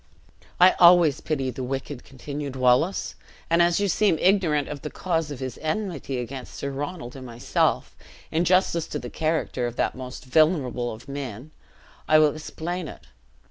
"I always pity the wicked," continued Wallace; "and as you seem ignorant of the cause of his enmity against Sir Ronald and myself, in justice to the character of that most venerable of men, I will explain it.